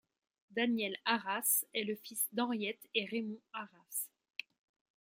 Daniel Arasse est le fils d'Henriette et Raymond Arasse.